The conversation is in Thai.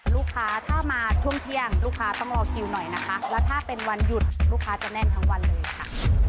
ลูกค้าถ้ามาช่วงเที่ยงลูกค้าต้องรอคิวหน่อยนะคะแล้วถ้าเป็นวันหยุดลูกค้าจะแน่นทั้งวันเลยค่ะ